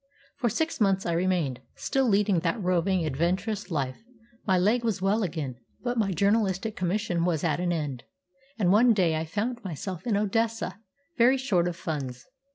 "For six months I remained, still leading that roving, adventurous life. My leg was well again, but my journalistic commission was at an end, and one day I found myself in Odessa, very short of funds.